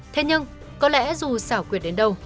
thế nhưng có lẽ dù xảo quyệt đến đâu